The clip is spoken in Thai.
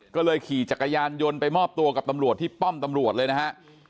ก็เลยขี่จักรยานยนต์ไปมอบตัวกับตำรวจที่ป้อมตำรวจเลยนะฮะ